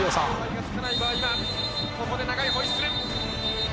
ここで長いホイッスル。